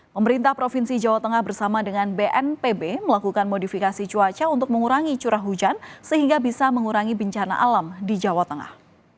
pemerintah provinsi jawa tengah bersama dengan bnpb melakukan modifikasi cuaca untuk mengurangi curah hujan sehingga bisa mengurangi bencana alam di jawa tengah